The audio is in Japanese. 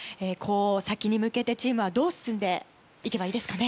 先に向けてチームはどう進んでいけばいいですかね。